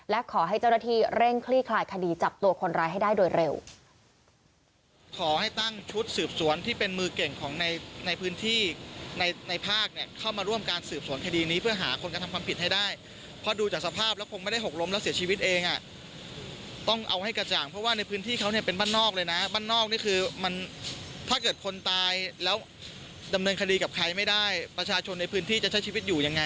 และขอให้เจ้าหน้าที่เร่งคลี่คลายคดีจับตัวคนร้ายให้ได้โดยเร็ว